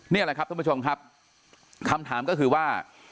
นี่แหละครับท่านผู้ชมครับคำถามก็คือว่า